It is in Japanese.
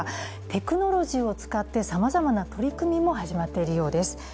テクノロジーを使ってさまざまな取り組みも始まっているようです。